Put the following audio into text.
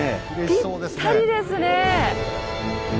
ぴったりですねえ！